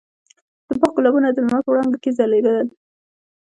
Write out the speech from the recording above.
د باغ ګلابونه د لمر په وړانګو کې ځلېدل.